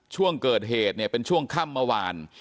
ช่วงเกิดเหตุเป็นช่วงข้ำเมื่อวาน